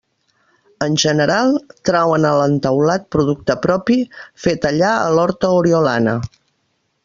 En general, trauen a l'entaulat producte propi, fet allà a l'horta oriolana.